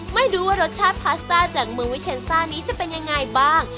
ไม่รู้ว่ารสชาติพาสต้าจากมือวิเชนซ่านี้จะเป็นยังไงบ้าง